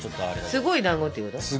すごいだんごっていうこと？